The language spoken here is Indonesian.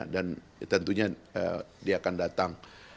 dan tentunya dia akan datang